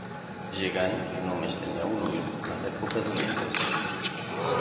Gegant que només tenia un ull a l'època d'Ulisses.